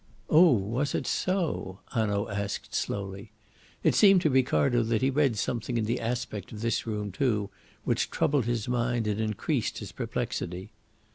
"Oh, was it so?" Hanaud asked slowly. It seemed to Ricardo that he read something in the aspect of this room too, which troubled his mind and increased his perplexity.